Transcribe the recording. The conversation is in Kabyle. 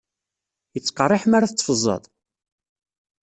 Yettqerriḥ mara tetteffẓeḍ?